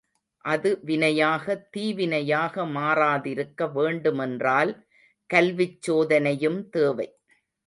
அது வினையாக தீவினையாக மாறாதிருக்க வேண்டுமென்றால் கல்விச் சோதனையும் தேவை.